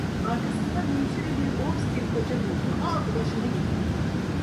Arkasından hemşire bir bobstil koca buldu, aldı başını gitti.